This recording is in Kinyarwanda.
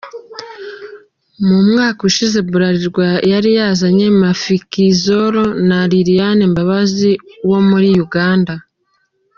Mu mwaka ushize Bralirwa yari yazanye Mafikizolo na Lilian Mbabazi wo muri Uganda.